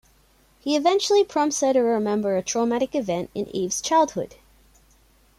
He eventually prompts her to remember a traumatic event in Eve's childhood.